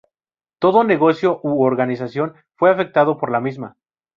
Todo negocio u organización fue afectado por la misma.